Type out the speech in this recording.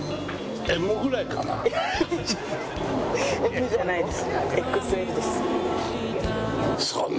Ｍじゃないです。